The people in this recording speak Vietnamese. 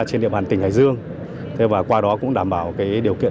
trên địa bàn tỉnh hải dương và qua đó cũng đảm bảo điều kiện